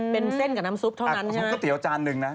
เป็นเส้นกับน้ำซุปเท่านั้นใช่ไหม